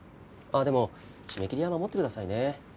あっでも締め切りは守ってくださいね。